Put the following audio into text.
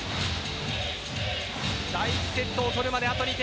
第１セットを取るまであと２点。